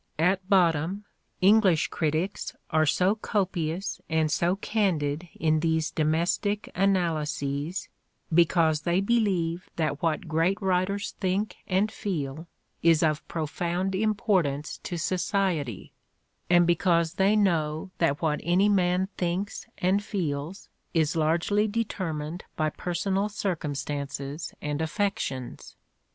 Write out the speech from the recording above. At bottom English critics are so copious and so candid in these domestic analyses because they believe that what great The Candidate for Gentility 107 writers think and feel is of profound importance to so ciety and because they know that what any man thinks and feels is largely determined by personal circum stances and affections.